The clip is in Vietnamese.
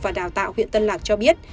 và đào tạo huyện tân lạc cho biết